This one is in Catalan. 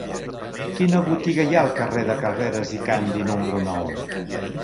Quina botiga hi ha al carrer de Carreras i Candi número nou?